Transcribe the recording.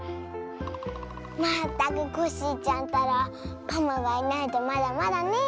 まったくコッシーちゃんったらパマがいないとまだまだねえ。